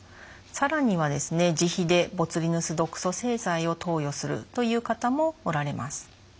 更には自費でボツリヌス毒素製剤を投与するという方もおられます。